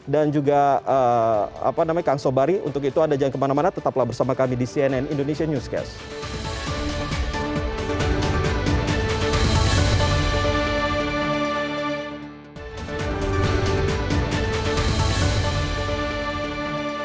dan juga kang sobari untuk itu anda jangan kemana mana tetaplah bersama kami di cnn indonesia newscast